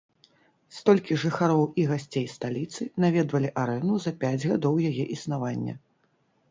Столькі жыхароў і гасцей сталіцы наведвалі арэну за пяць гадоў яе існавання.